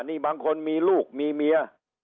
นี่บางคนมีลูกมีเมีย